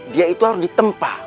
dia itu harus ditempa